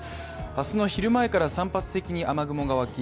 明日のお昼前から散発的に雨雲が湧き